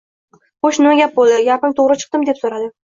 Xo`sh, nima bo`ldi, gapim to`g`ri chiqdimi, deb so`radi